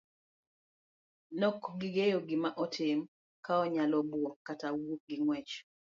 Nokong'eyo gima otim, kaonyalo buok kata wuok gi ng'uech.